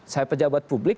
saya pejabat publik